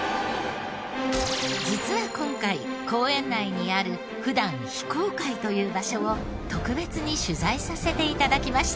実は今回公園内にある普段非公開という場所を特別に取材させて頂きました。